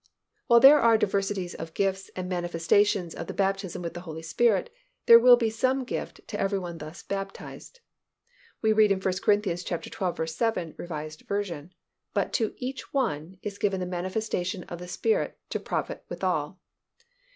_While there are diversities of gifts and manifestations of the baptism with the Holy Spirit, there will be some gift to every one thus baptized._ We read in 1 Cor. xii. 7, R. V., "But to each one is given the manifestation of the Spirit to profit withal."